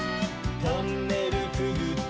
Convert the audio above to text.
「トンネルくぐって」